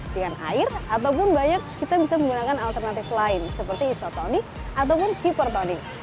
dengan air ataupun banyak kita bisa menggunakan alternatif lain seperti isotonik ataupun hipertonik